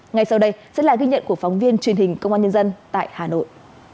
ngay sau đây sẽ là ghi nhận của phóng viên truyền hình công an nhân dân tại hà nội